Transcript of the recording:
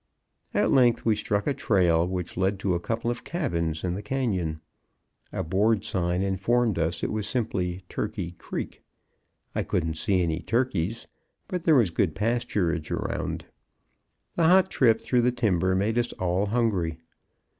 At length we struck a trail which led to a couple of cabins in the canyon. A board sign informed us it was simply Turkey Creek. I couldn't see any turkeys, but there was good pasturage around. The hot trip through the timber made us all hungry.